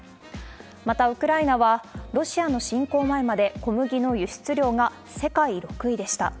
また、ウクライナはロシアの侵攻前まで、小麦の輸出量が世界６位でした。